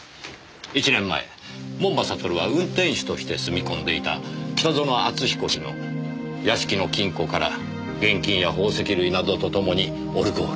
１年前門馬悟は運転手として住み込んでいた北薗篤彦氏の屋敷の金庫から現金や宝石類などとともにオルゴールを盗み出した。